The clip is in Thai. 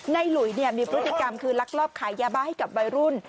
หลุยมีพฤติกรรมคือลักลอบขายยาบ้าให้กับวัยรุ่น